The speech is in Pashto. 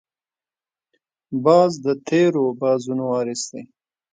باز د تېرو بازانو وارث دی